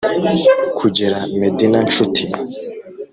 kugera medina, nshuti?